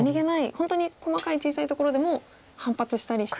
本当に細かい小さいところでも反発したりして。